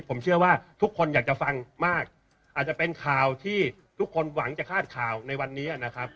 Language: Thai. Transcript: ผมเชื่อว่าทุกคนอยากจะฟังมากอาจจะเป็นข่าวที่ทุกคนหวังจะคาดข่าวในวันนี้นะครับ